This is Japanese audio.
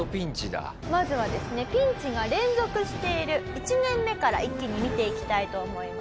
ピンチが連続している１年目から一気に見ていきたいと思います。